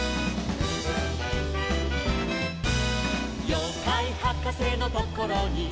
「ようかいはかせのところに」